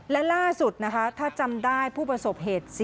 และล่าสุดนะคะถ้าจำได้ผู้ประสบเหตุ